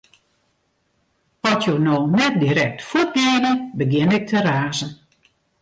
At jo no net direkt fuort geane, begjin ik te razen.